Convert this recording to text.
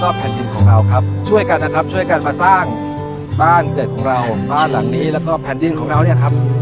ฉันคิดตอนนี้ฉันมีเธอต้องกลายความนี้จะพบกันอีกได้ไหม